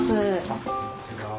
あこんにちは。